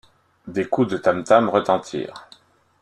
Des coups de tam-tams retentirent.